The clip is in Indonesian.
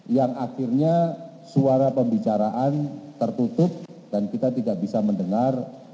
yang akhirnya suara pembicaraan tertutup dan kita tidak bisa mendengar